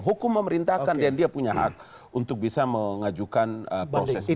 hukum memerintahkan dan dia punya hak untuk bisa mengajukan proses hukum